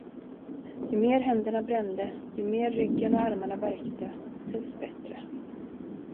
Ju mer händerna brände, ju mer ryggen och armarna värkte, dess bättre.